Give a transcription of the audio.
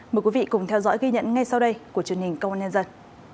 mời quý vị cùng theo dõi ghi nhận ngay sau đây của truyền hình công an nhân dân